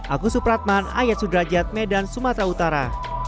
agus supratman ayat sudrajat medan sumatera utara